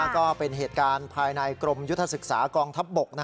ก็เป็นเหตุการณ์ภายในกรมยุทธศึกษากองทัพบก